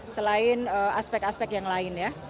selain aspek aspek yang lain ya